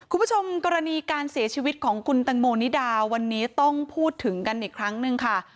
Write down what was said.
คุณผู้ชมกรณีการเสียชีวิตของคุณตังโมนิดาวันนี้ต้องพูดถึงกันอีกครั้งหนึ่งค่ะ